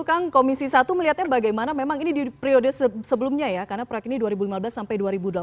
kang komisi satu melihatnya bagaimana memang ini di periode sebelumnya ya karena proyek ini dua ribu lima belas sampai dua ribu delapan belas